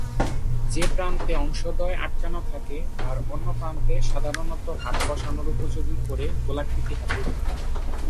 যে প্রান্তে অংশদ্বয় আটকানো থাকে, তার অন্য প্রান্তে সাধারণত হাত বসানোর উপযোগী করে গোলাকৃতি হাতল থাকে।